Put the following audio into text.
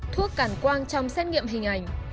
thuốc cản quang trong xét nghiệm hình ảnh